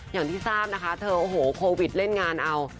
อย่างที่ทราบนะคะเธอโอ้โหโควิดเล่นงานเอา